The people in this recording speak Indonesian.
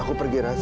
aku pergi ras